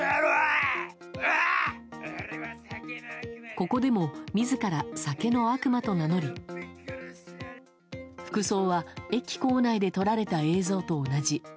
ここでも自ら、酒の悪魔と名乗り服装は駅構内で撮られた映像と同じ。